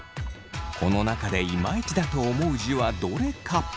この中でいまいちだと思う字はどれか。